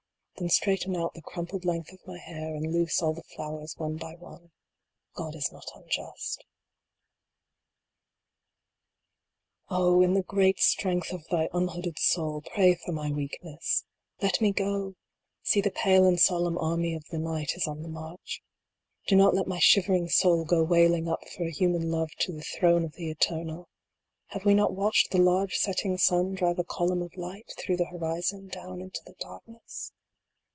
Then straighten out the crumpled length of my hair, and loose all the flowers one by one. God is not unjust VII. Oh ! in the great strength of thy unhooded soul, pray for my weakness. Let me go ! See the pale and solemn army of the night is on the march. Do not let my shivering soul go wailing up for a human love to the throne of the Eternal. Have we not watched the large setting sun drive a H4 DYING. column of light through the horizon down into the darkness